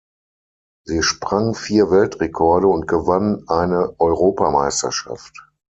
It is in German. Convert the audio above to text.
Sie sprang vier Weltrekorde und gewann eine Europameisterschaft.